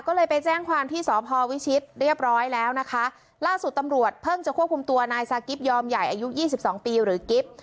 ก็เลยไปแจ้งความที่สพวิชิตเรียบร้อยแล้วนะคะล่าสุดตำรวจเพิ่งจะควบคุมตัวนายซากิฟต์ยอมใหญ่อายุยี่สิบสองปีหรือกิฟต์